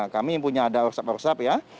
kami yang punya ada orsap orsap ya